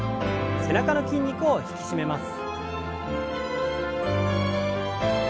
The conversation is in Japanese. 背中の筋肉を引き締めます。